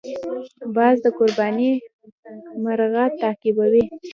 باز د قرباني مرغه تعقیبوي